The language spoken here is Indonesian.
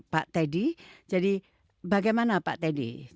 pak teddy jadi bagaimana pak teddy